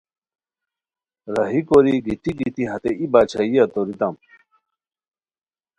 راہی کوری گیتی گیتی ہتے ای باچھائیا توریتائے